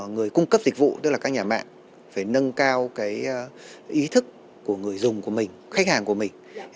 người cung cấp dịch vụ tức là các nhà mạng phải nâng cao ý thức của người dùng của mình khách hàng của mình